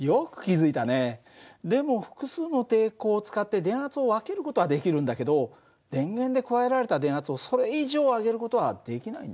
でも複数の抵抗を使って電圧を分ける事はできるんだけど電源で加えられた電圧をそれ以上上げる事はできないんだよ。